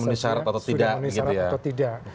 menunisarat atau tidak